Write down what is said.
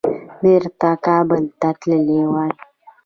بیرته کابل ته تللي وای.